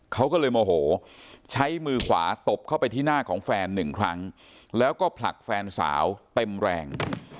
เขาก็เลยโมโหใช้มือขวาตบเข้าไปที่หน้าของแฟนหนึ่งครั้งแล้วก็ผลักแฟนสาวเต็มแรง